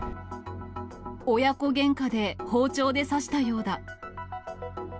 親子げんかで包丁で刺したよ